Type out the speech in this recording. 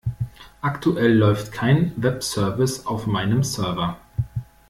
Aktuell läuft kein Webservice auf meinem Server.